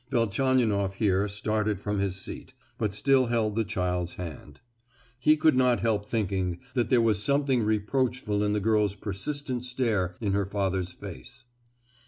Velchaninoff here started from his seat, but still held the child's hand. He could not help thinking that there was something reproachful in the girl's persistent stare in her father's face.